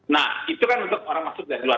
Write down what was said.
nah itu kan untuk orang masuk dari luar